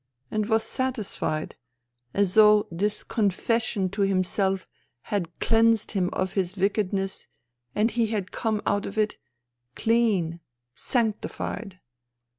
. and was satisfied, as though this confession to himself had cleansed him of his wickedness and he had come out of it, clean, sanctified.